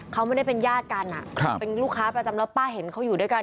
เขาไม่ได้เป็นญาติกันเป็นลูกค้าประจำแล้วป้าเห็นเขาอยู่ด้วยกัน